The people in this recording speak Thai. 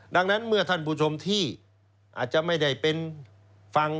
ดังนั้นเมื่อท่านผู้ชมที่อาจจะไม่ได้เป็นฟัง